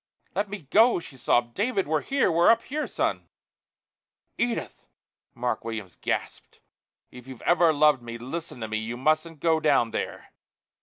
"Let me go!" she sobbed. "David, we're here! We're up here, son!" "Edith!" Mark Williams gasped. "If you've ever loved me, listen to me. You mustn't go down there.